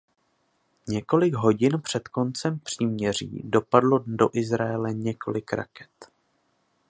Několik hodin před koncem příměří dopadlo do Izraele několik raket.